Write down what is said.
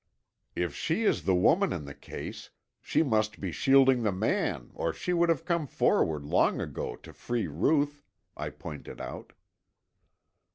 "If she is the woman in the case, she must be shielding the man or she would have come forward long ago to free Ruth," I pointed out.